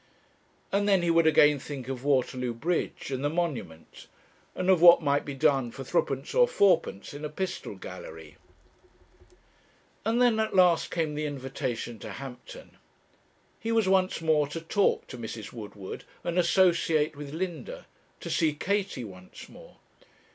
And then he would again think of Waterloo Bridge, and the Monument, and of what might be done for threepence or fourpence in a pistol gallery. And then at last came the invitation to Hampton. He was once more to talk to Mrs. Woodward, and associate with Linda to see Katie once more.